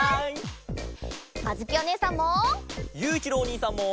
あづきおねえさんも。